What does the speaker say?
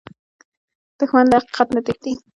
دښمن له حقیقت نه تښتي